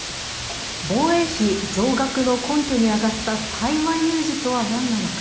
防衛費増額の根拠に上がった台湾有事とは何なのか。